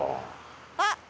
あっ！